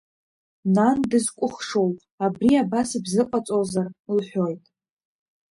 Нан дызкәыхшоу, абри абас ибзыҟаҵозар, – лҳәоит.